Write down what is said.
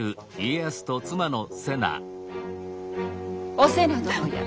お瀬名殿や。